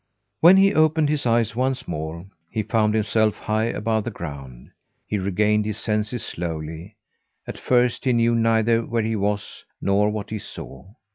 When he opened his eyes once more, he found himself high above the ground. He regained his senses slowly; at first he knew neither where he was, nor what he saw.